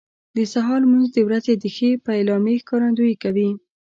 د سهار لمونځ د ورځې د ښې پیلامې ښکارندویي کوي.